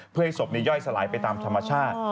เพื่อให้ศพย่อยสลายไปตามธรรมชาติ